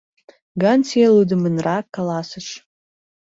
— Гантье лӱддымынрак каласыш.